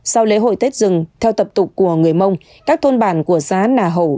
sau lễ hội tết rừng theo tập tục của người mông các thôn bản của xá nà hậu